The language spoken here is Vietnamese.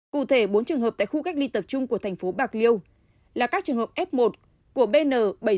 cụ thể bốn trường hợp tại khu cách ly tập trung của thành phố bạc liêu là các trường hợp f một của bn bảy trăm sáu mươi sáu một trăm sáu mươi sáu